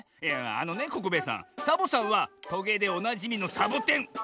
いやあのねココベエさんサボさんはトゲでおなじみのサボテン！